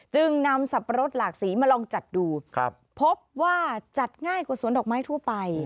จึงนำสับปะรดหลากสีมาลองจัดดูพบว่าจัดง่ายกว่าสวนดอกไม้ทั่วไป